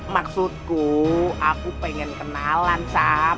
maksudku aku pengen kenalan sama